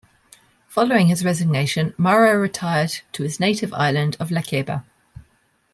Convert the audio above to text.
Following his resignation, Mara retired to his native island of Lakeba.